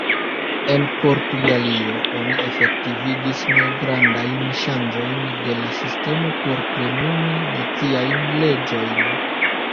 En Portugalio oni efektivigis malgrandajn ŝanĝojn de la sistemo por plenumi naciajn leĝojn.